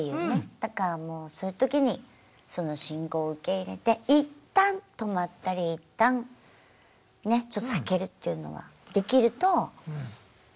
だからもうそういうときにその信号を受け入れて一旦止まったり一旦ねちょっと避けるっていうのはできるといいですよね。